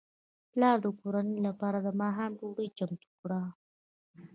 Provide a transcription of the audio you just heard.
پلار د کورنۍ لپاره د ماښام ډوډۍ چمتو کړه.